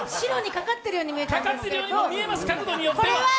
かかってるようにも見えます、角度によっては。